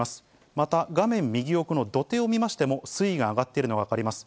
また、画面右奥の土手を見ましても、水位が上がっているのが分かります。